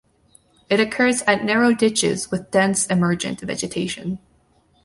It occurs at narrow ditches with dense emergent vegetation.